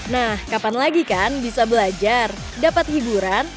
nah kapan lagi kan bisa belajar dapat hiburan